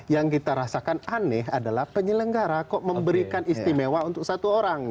yang kita rasakan aneh adalah penyelenggara kok memberikan istimewa untuk satu orang